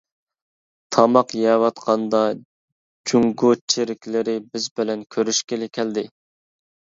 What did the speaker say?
تاماق يەۋاتقاندا جۇڭگو چېرىكلىرى بىز بىلەن كۆرۈشكىلى كەلدى.